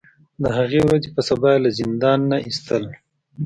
د هغې ورځې په سبا یې له زندان نه ایستل.